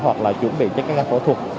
hoặc là chuẩn bị các phẫu thuật